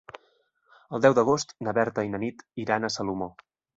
El deu d'agost na Berta i na Nit iran a Salomó.